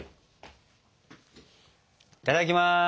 いただきます！